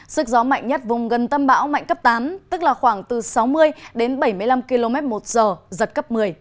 sức gió mạnh nhất vùng gần tâm bão mạnh cấp tám tức là khoảng từ sáu mươi đến bảy mươi năm km một giờ giật cấp một mươi